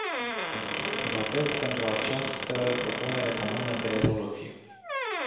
Votez pentru această propunere comună de rezoluție.